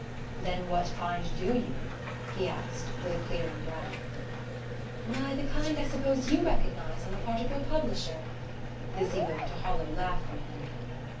"Then what kind do you?" he asked with a clearing brow. "Why the kind I suppose you recognize on the part of your publisher." This evoked a hollow laugh from him.